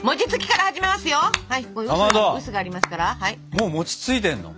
もう餅ついてるの？